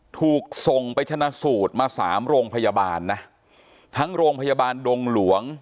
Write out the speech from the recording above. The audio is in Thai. ถูกส่งไปชนะสูตรมาสามโรงพยาบาลนะทั้งโรงพยาบาลดงหลวง